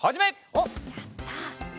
おっやった！